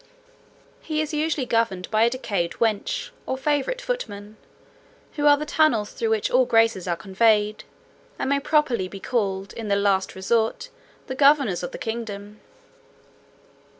"He is usually governed by a decayed wench, or favourite footman, who are the tunnels through which all graces are conveyed, and may properly be called, in the last resort, the governors of the kingdom."